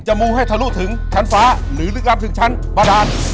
จะหมู่ให้ทะลุถึงชั้นฟ้าหรือลึกล้ามถึงชั้นบรราช